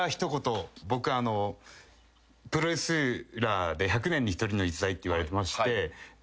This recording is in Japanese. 僕プロレスラーで１００年に１人の逸材っていわれてまして。